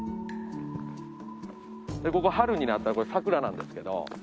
春になったら桜なんですけど。